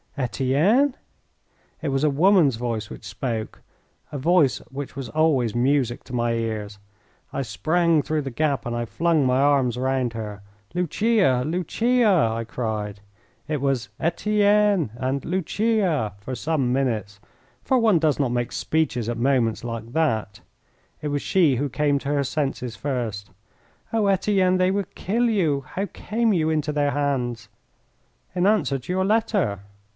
"Etienne!" It was a woman's voice which spoke a voice which was always music to my ears. I sprang through the gap and I flung my arms round her. "Lucia! Lucia!" I cried. It was "Etienne!" and "Lucia!" for some minutes, for one does not make speeches at moments like that. It was she who came to her senses first. "Oh, Etienne, they will kill you. How came you into their hands?" "In answer to your letter."